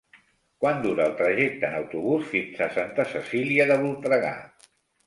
Quant dura el trajecte en autobús fins a Santa Cecília de Voltregà?